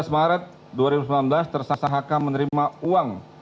dua belas maret dua ribu sembilan belas tersangka hk menerima uang